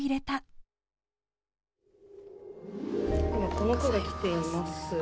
この句が来ています。